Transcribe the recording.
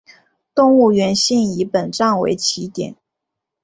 动物园线以本站为起点。